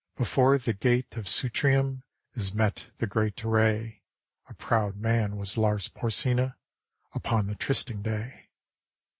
Before the gate of Sutrium Is met the great array. A proud man was Lars Porsena Upon the trysting day.